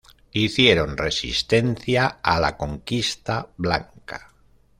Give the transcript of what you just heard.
Hicieron resistencia a la conquista blanca.